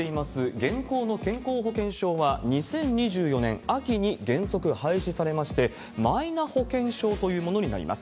現行の健康保険証は、２０２４年秋に原則廃止されまして、マイナ保険証というものになります。